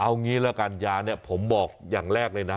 เอางี้ละกันยาเนี่ยผมบอกอย่างแรกเลยนะ